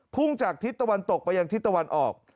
พุ่งจากทิศตะวันตกไปยังทิศตะวันออก